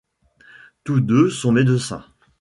Tous deux sont médecins.